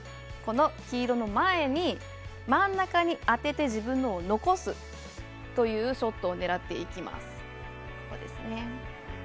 この黄色の前に真ん中に当てて自分のを残すというショットを狙っていきます。